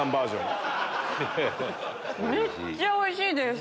めっちゃおいしいです！